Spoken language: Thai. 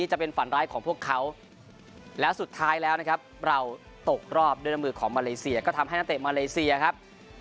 ชาติมาเลเซียครับ